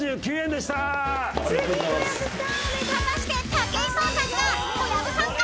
［果たして武井壮さんか？